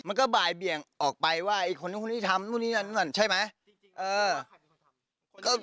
มันก็บ่ายเบี่ยงออกไปว่าไอ้คนนู้นคนนี้ทำนู่นนี่นั่นใช่ไหม